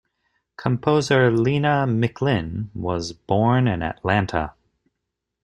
Composer Lena McLin was born in Atlanta.